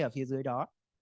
ở phía dưới đó